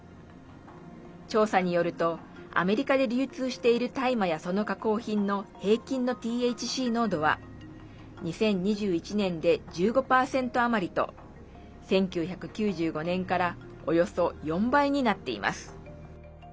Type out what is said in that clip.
調査によるとアメリカで流通している大麻や、その加工品の平均のＴＨＣ濃度は２０２１年で１５％余りと１９９５年からおよそ４倍になっています。